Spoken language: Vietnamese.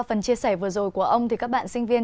phần chia sẻ vừa rồi của ông thì các bạn sinh viên